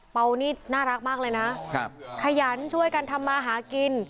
นี่น่ารักมากเลยนะขยันช่วยกันทำมาหากิน